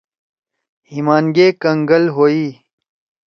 ہِیِمان گے کنگل ہوئی۔